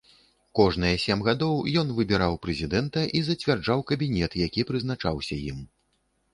Кожныя сем гадоў ён выбіраў прэзідэнта і зацвярджаў кабінет, які прызначаўся ім.